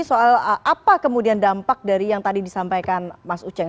soal apa kemudian dampak dari yang tadi disampaikan mas uceng